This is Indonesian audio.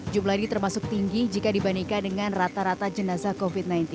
jumlah ini termasuk tinggi jika dibandingkan dengan rata rata jenazah covid sembilan belas